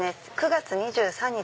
９月２３日